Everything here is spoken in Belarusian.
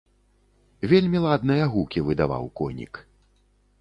Вельмі ладныя гукі выдаваў конік.